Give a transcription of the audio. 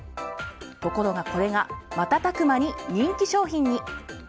ところがこれが瞬く間に人気商品に。